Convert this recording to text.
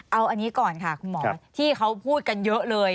เอาอันนี้ก่อนค่ะคุณหมอที่เขาพูดกันเยอะเลย